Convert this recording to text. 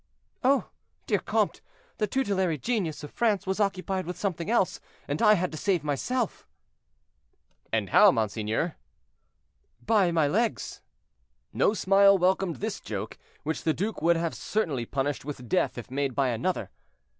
"Oh! dear comte, the tutelary genius of France was occupied with something else, and I had to save myself." "And how, monseigneur?" "By my legs." No smile welcomed this joke, which the duke would certainly have punished with death if made by another.